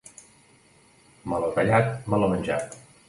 Meló tallat, meló menjat.